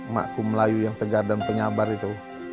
makku melayu yang tegar dan penyabar itu